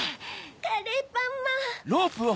カレーパンマン！